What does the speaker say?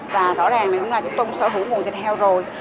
và rõ ràng là chúng tôi cũng sở hữu nguồn thịt heo rồi